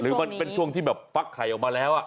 หรือมันเป็นช่วงที่ฟักไข่ออกมาแล้ว